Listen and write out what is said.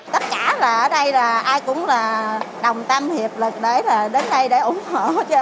tất cả ở đây ai cũng đồng tâm hiệp lực đến đây để ủng hộ